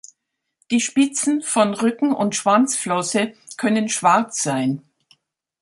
Die Spitzen von Rücken- und Schwanzflosse können schwarz sein.